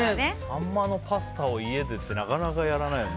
サンマのパスタを家でってあんまりやらないよね。